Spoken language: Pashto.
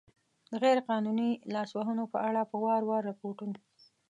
د غیر قانوني لاسوهنو په اړه په وار وار ریپوټون